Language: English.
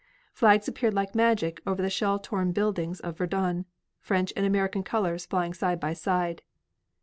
Flags appeared like magic over the shell torn buildings of Verdun, French and American colors flying side by side.